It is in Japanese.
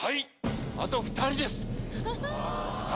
あと２人です。